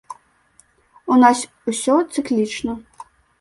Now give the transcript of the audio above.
У нас усё цыклічна.